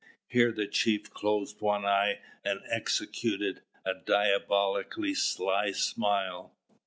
Here the chief closed one eye and executed a diabolically sly smile.